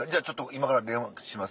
今から電話します